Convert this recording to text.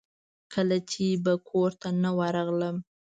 کله چې به کورته نه ورغلم.